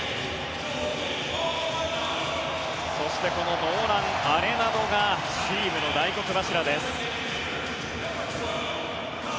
そして、ノーラン・アレナドがチームの大黒柱です。